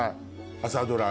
朝ドラ。